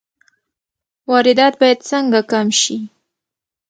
واردات باید څنګه کم شي؟